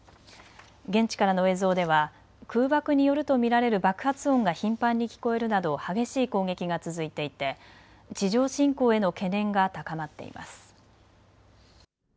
現地からの映像では空爆によると見られる爆発音が頻繁に聞こえるなど激しい攻撃が続いていて地上侵攻への懸念が高まっています。